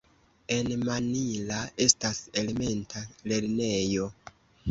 En Mannila estas elementa lernejo.